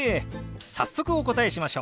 早速お答えしましょう。